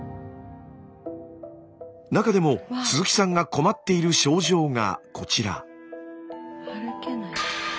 中でも鈴木さんが困っている症状がこちら。